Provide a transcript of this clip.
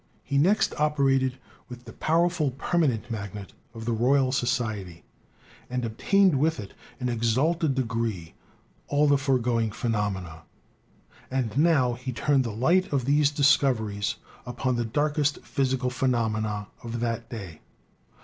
He next operated with the powerful permanent magnet of FUNDAMENTAL DISCOVERIES 187 the Royal Society, and obtained with it, in an exalted de gree, all the foregoing phenomena, and now he turned the light of these discoveries upon the darkest physical phe nomenon of that day.